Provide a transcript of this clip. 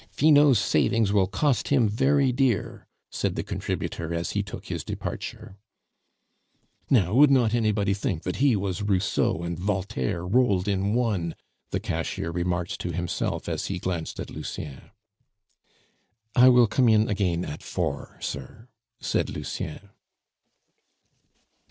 "Finot's savings will cost him very dear," said the contributor as he took his departure. "Now, would not anybody think that he was Rousseau and Voltaire rolled in one?" the cashier remarked to himself as he glanced at Lucien. "I will come in again at four, sir," said Lucien.